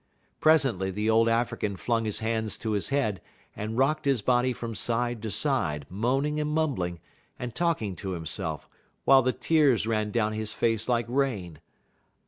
Presently the old African flung his hands to his head, and rocked his body from side to side, moaning and mumbling, and talking to himself, while the tears ran down his face like rain.